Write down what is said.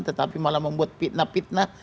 tetapi malah membuat pitna pitna